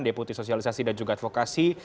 deputi sosialisasi dan juga advokasi